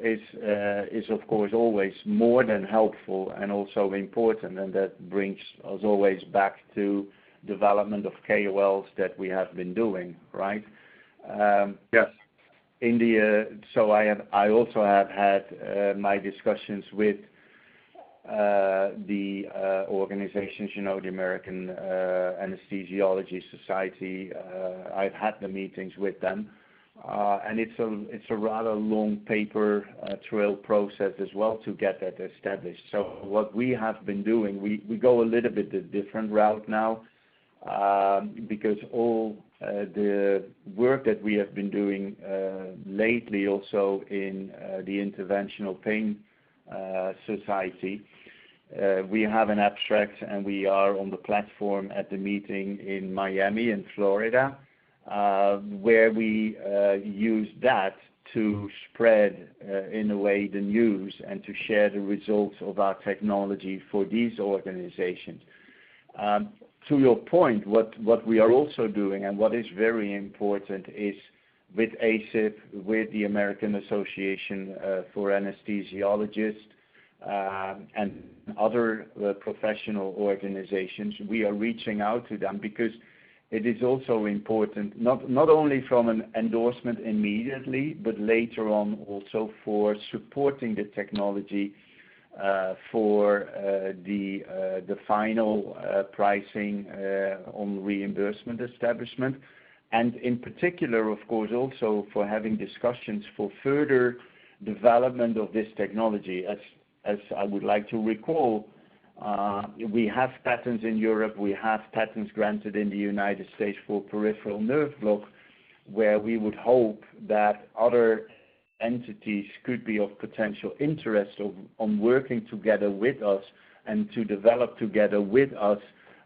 is of course always more than helpful and also important, and that brings us always back to development of KOLs that we have been doing, right? Um, yes. I also have had my discussions with the organizations, you know, the American Society of Anesthesiologists. I've had the meetings with them, and it's a rather long paper trail process as well to get that established. So what we have been doing, we go a little bit different route now, because all the work that we have been doing lately, also in the Interventional Pain Society, we have an abstract, and we are on the platform at the meeting in Miami, in Florida, where we use that to spread, in a way, the news and to share the results of our technology for these organizations. To your point, what we are also doing, and what is very important is with ASA, with the American Society of Anesthesiologists, and other professional organizations, we are reaching out to them. Because it is also important, not only from an endorsement immediately, but later on also for supporting the technology, for the the final pricing on reimbursement establishment, and in particular, of course, also for having discussions for further development of this technology. As I would like to recall, we have patents in Europe. We have patents granted in the United States for peripheral nerve block, where we would hope that other entities could be of potential interest on working together with us and to develop together with us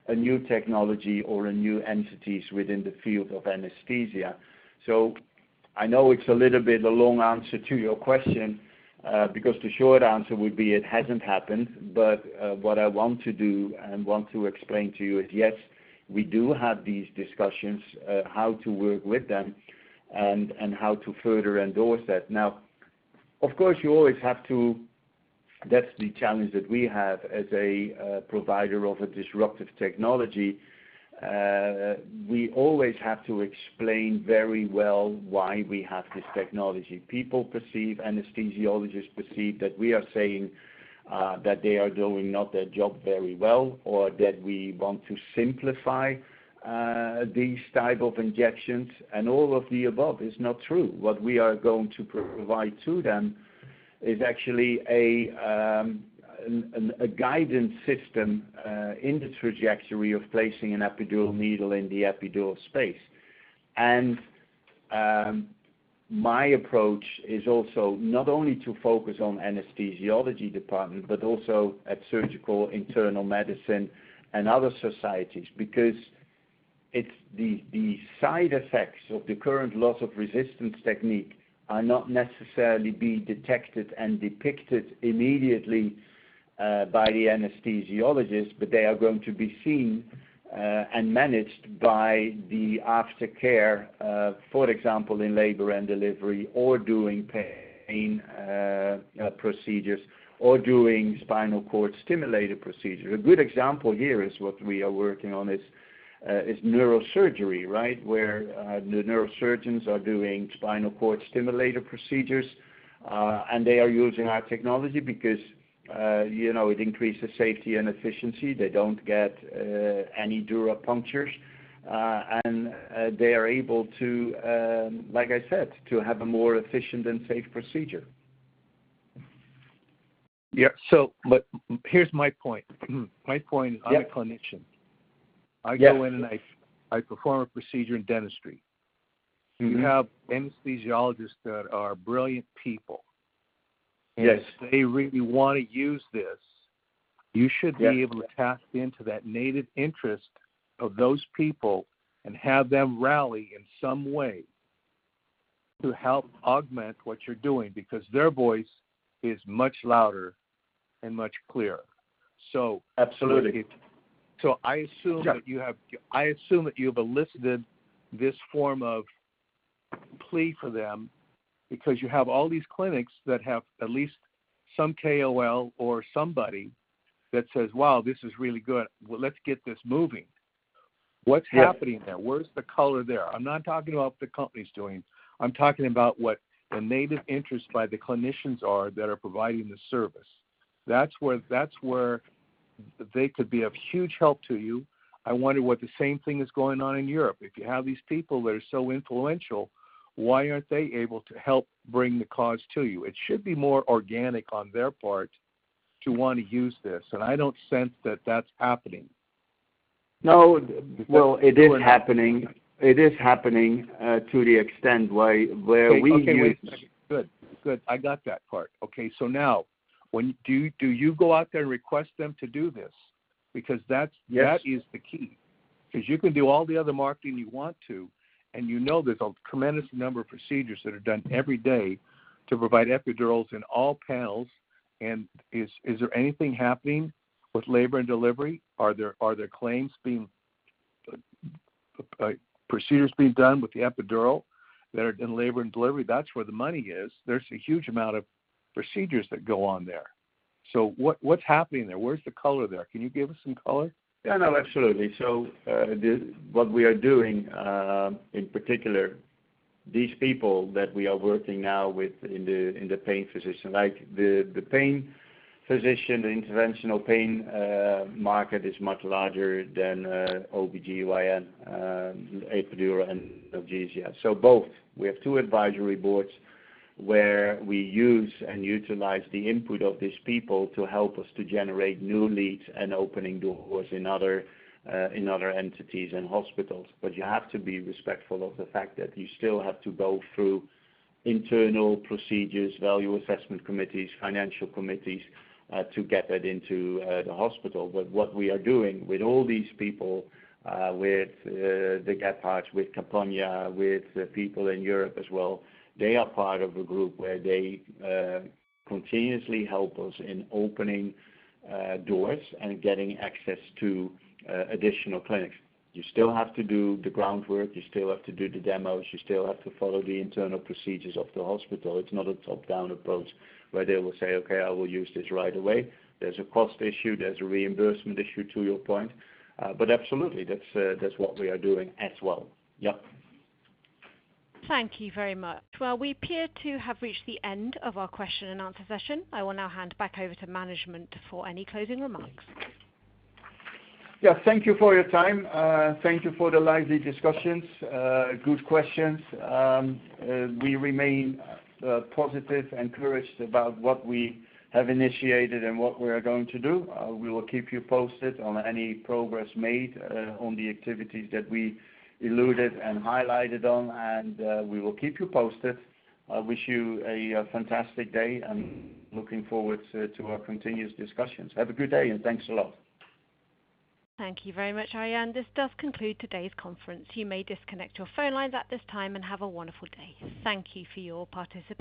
a new technology or a new entities within the field of anesthesia. So I know it's a little bit a long answer to your question, because the short answer would be: it hasn't happened. But, what I want to do and want to explain to you is, yes, we do have these discussions, how to work with them and, and how to further endorse that. Now, of course, you always have to... That's the challenge that we have as a, provider of a disruptive technology. We always have to explain very well why we have this technology. People perceive, anesthesiologists perceive that we are saying, that they are doing not their job very well, or that we want to simplify, these type of injections, and all of the above is not true. What we are going to provide to them is actually a guidance system in the trajectory of placing an epidural needle in the epidural space. My approach is also not only to focus on anesthesiology department, but also at surgical, internal medicine, and other societies. Because it's the side effects of the current loss of resistance technique are not necessarily being detected and depicted immediately by the anesthesiologist, but they are going to be seen and managed by the aftercare, for example, in labor and delivery or doing pain procedures or doing spinal cord stimulator procedure. A good example here is what we are working on is neurosurgery, right? Where the neurosurgeons are doing spinal cord stimulator procedures and they are using our technology because, you know, it increases safety and efficiency. They don't get any dura punctures, and they are able to, like I said, to have a more efficient and safe procedure. Yeah, so but here's my point. Mm-hmm. My point, I'm a clinician. Yes. I go in, and I perform a procedure in dentistry. Mm-hmm. You have anesthesiologists that are brilliant people. Yes. If they really want to use this, you should- Yes be able to tap into that native interest of those people and have them rally in some way to help augment what you're doing. Because their voice is much louder and much clearer. So- Absolutely. So I assume- Yeah That you have, I assume that you've elicited this form of plea for them because you have all these clinics that have at least some KOL or somebody that says, "Wow, this is really good. Well, let's get this moving. Yes. What's happening there? Where's the color there? I'm not talking about what the company's doing. I'm talking about what the native interests by the clinicians are that are providing the service. That's where, that's where they could be of huge help to you. I wonder what the same thing is going on in Europe. If you have these people that are so influential, why aren't they able to help bring the cause to you? It should be more organic on their part to want to use this, and I don't sense that that's happening. No. Well, it is happening. It is happening, to the extent why, where we- Okay, wait. Good. Good. I got that part. Okay, so now, when... Do you go out there and request them to do this? Because that's- Yes That is the key. 'Cause you can do all the other marketing you want to, and you know there's a tremendous number of procedures that are done every day to provide epidurals in all panels. And is there anything happening with labor and delivery? Are there procedures being done with the epidural that are in labor and delivery? That's where the money is. There's a huge amount of procedures that go on there. So what's happening there? Where's the color there? Can you give us some color? Yeah, no, absolutely. So, what we are doing, in particular, these people that we are working now with in the pain physician, like the pain physician, the interventional pain market is much larger than OBGYN, epidural and analgesia. So both. We have two advisory boards where we use and utilize the input of these people to help us to generate new leads and opening doors in other entities and hospitals. But you have to be respectful of the fact that you still have to go through internal procedures, value assessment committees, financial committees, to get that into the hospital. But what we are doing with all these people, with, the Gebhard, with Capogna, with the people in Europe as well, they are part of a group where they, continuously help us in opening, doors and getting access to, additional clinics. You still have to do the groundwork. You still have to do the demos. You still have to follow the internal procedures of the hospital. It's not a top-down approach, where they will say, "Okay, I will use this right away." There's a cost issue. There's a reimbursement issue, to your point. But absolutely, that's, that's what we are doing as well. Yeah. Thank you very much. Well, we appear to have reached the end of our question and answer session. I will now hand back over to management for any closing remarks. Yeah, thank you for your time. Thank you for the lively discussions, good questions. We remain positive, encouraged about what we have initiated and what we are going to do. We will keep you posted on any progress made on the activities that we alluded and highlighted on, and we will keep you posted. I wish you a fantastic day and looking forward to our continuous discussions. Have a good day, and thanks a lot. Thank you very much, Arjan. This does conclude today's conference. You may disconnect your phone lines at this time and have a wonderful day. Thank you for your participation.